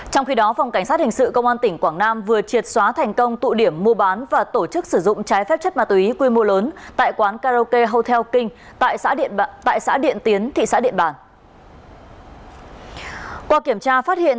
trong khi đó phòng cảnh sát hình sự công an tỉnh quảng nam vừa triệt xóa thành công tụ điểm mua bán và tổ chức sử dụng trái phép chất ma túy quy mô lớn tại quán karaoke hotel king tại xã điện tiến thị xã điện bàn